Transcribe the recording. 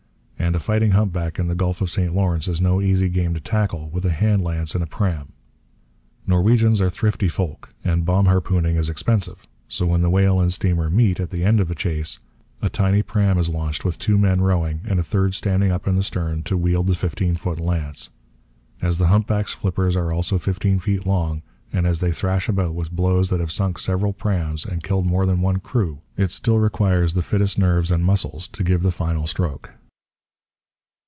And a fighting humpback in the Gulf of St Lawrence is no easy game to tackle with a hand lance in a pram. Norwegians are thrifty folk, and bomb harpooning is expensive. So when the whale and steamer meet, at the end of the chase, a tiny pram is launched with two men rowing and a third standing up in the stern to wield the fifteen foot lance. As the humpback's flippers are also fifteen feet long, and as they thrash about with blows that have sunk several prams and killed more than one crew, it still requires the fittest nerves and muscles to give the final stroke.